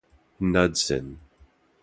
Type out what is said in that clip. Knudsen.